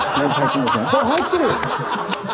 入ってる！